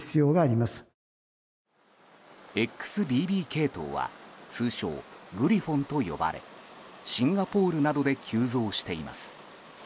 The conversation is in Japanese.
ＸＢＢ系統は通称グリフォンと呼ばれシンガポールなどで急増しています。